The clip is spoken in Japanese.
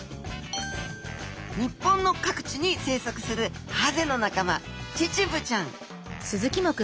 日本の各地に生息するハゼの仲間チチブちゃん。